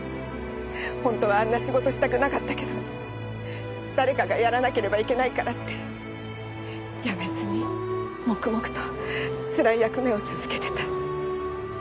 本当はあんな仕事したくなかったけど誰かがやらなければいけないからって辞めずに黙々とつらい役目を続けてた。